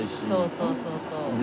そうそうそうそう。